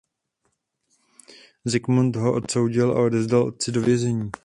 Zikmund ho odsoudil a odevzdal otci do vězení.